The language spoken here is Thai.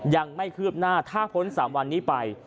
ยังไม่คืบหน้าถ้าพ้น๓วันนี้ไป